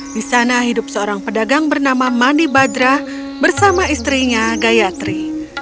di sana hidup seorang pedagang bernama mani badrah bersama istrinya gayatri